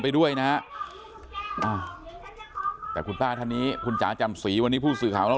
ไปด้วยนะฮะแต่คุณป้าท่านนี้คุณจ๋าจำศรีวันนี้ผู้สื่อข่าวเรา